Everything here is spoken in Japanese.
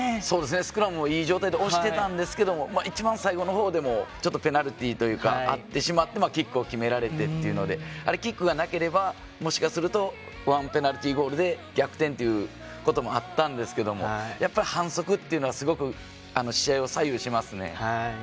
スクラムいい状態で押してたんですけど一番最後の方でもペナルティあってしまってキックを決められてっていうのでキックがなければもしかするとワンペナルティゴールで逆転ということもあったんですがやっぱ、反則っていうのはすごく試合を左右しますね。